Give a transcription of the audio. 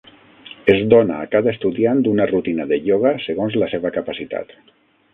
Es dona a cada estudiant una rutina de ioga segons la seva capacitat.